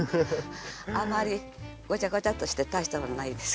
あまりごちゃごちゃっとして大したものないですけど。